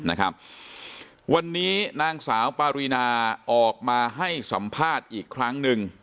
นะครับวันนี้นางสาวปารีนาออกมาให้สัมภาษณ์อีกครั้งหนึ่ง